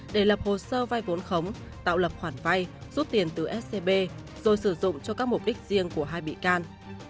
để lập hồ sơ vai vốn khống tạo lập khoản vay rút tiền từ scb rồi sử dụng cho các mục đích riêng của hai bị can